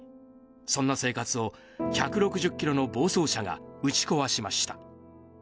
そんな生活を１６０キロの暴走車が打ち壊しました。